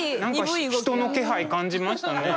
人の気配感じましたね。